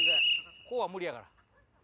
こうは無理やから。